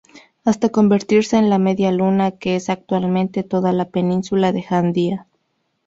Hasta convertirse en la media luna que es actualmente toda la península de Jandía.